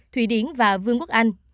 thủy điển và vương quốc anh